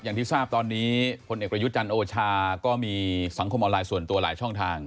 อย่างที่ทราบตอนนี้พลเอกประยุทธ์จันทร์โอชาก็มีสังคมออนไลน์ส่วนตัวหลายช่องทาง